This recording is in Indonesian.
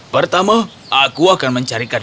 pertama aku akan mencarikan